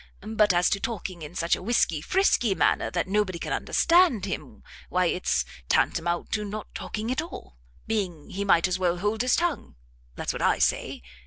But as to talking in such a whisky frisky manner that nobody can understand him, why its tantamount to not talking at all, being he might as well hold his tongue. That's what I say.